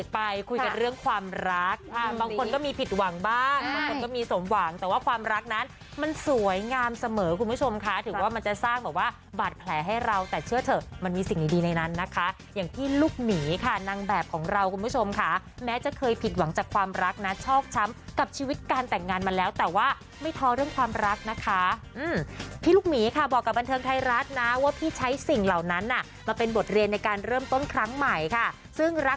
ไปคุยกันเรื่องความรักบางคนก็มีผิดหวังบ้างก็มีสมหว่างแต่ว่าความรักนั้นมันสวยงามเสมอคุณผู้ชมค่ะถือว่ามันจะสร้างแบบว่าบาดแผลให้เราแต่เชื่อเถอะมันมีสิ่งดีในนั้นนะคะอย่างที่ลูกหมีค่ะนางแบบของเราคุณผู้ชมค่ะแม้จะเคยผิดหวังจากความรักนะชอบช้ำกับชีวิตการแต่งงานมาแล้วแต่ว่าไม่ท้อเรื่องค